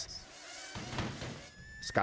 sekaligus mengincar anak sekolah